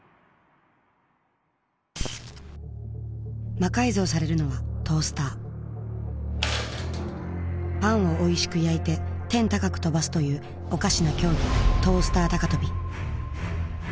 魔改造されるのはトースターパンをおいしく焼いて天高く跳ばすというおかしな競技トースター高跳び